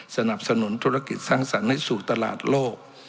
สนับสนุนธุรกิจสร้างสรรค์ให้สู่ตลาดโลก